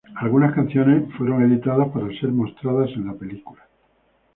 Algunas canciones fueron editadas para ser mostradas en la película.